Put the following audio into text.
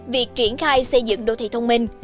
việc triển khai xây dựng đô thị thông minh